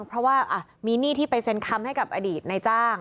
เพราะว่ามีหนี้ที่ไปเซ็นคำให้กับอดีตในจ้าง